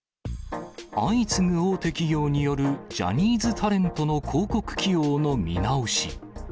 相次ぐ大手企業によるジャニーズタレントの広告起用の見直し。